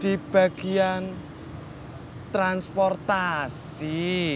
di bagian transportasi